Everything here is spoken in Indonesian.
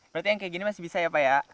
berarti yang kayak gini masih bisa ya pak ya